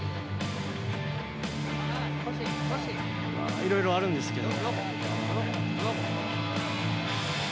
いろいろあるんですけど。